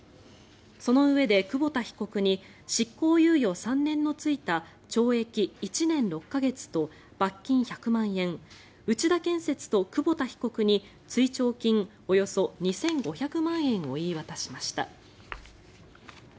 そのうえで、久保田被告に執行猶予３年のついた懲役１年６か月と罰金１００万円内田建設と久保田被告に追徴金およそ２５００万円を言い渡しました。